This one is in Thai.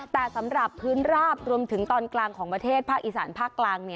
แต่สำหรับพื้นราบรวมถึงตอนกลางของประเทศภาคอีสานภาคกลาง